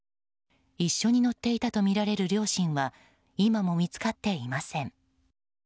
一緒に乗っていたとみられる両親は今も見つかっていません。